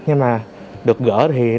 nhưng mà được gỡ thì